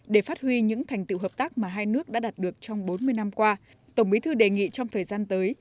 để phát huy những thành tựu hợp tác mà hai nước đã đạt được trong bốn mươi năm qua tổng bí thư đề nghị trong thời gian tới